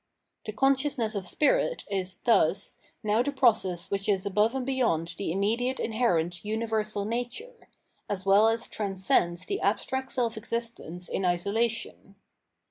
The consciousness of spirit is, thus, now the process which is above and beyond the immediate inherent [universal] nature, as well as transcends the abstract self existence in isolation.